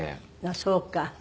ああそうか。